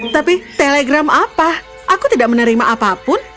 tapi telegram apa aku tidak menerima apapun